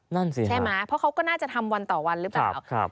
นั่นสิใช่ไหมเพราะเขาก็น่าจะทำวันต่อวันหรือเปล่า